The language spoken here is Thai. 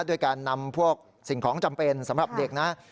ด้วยการนำพวกสิ่งของจำเป็นสำหรับเด็กนะ